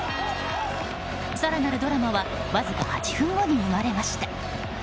更なるドラマはわずか８分後に生まれました。